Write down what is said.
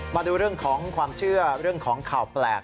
มาดูเรื่องของความเชื่อเรื่องของข่าวแปลก